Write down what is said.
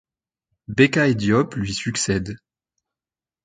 Bécaye Diop lui succède.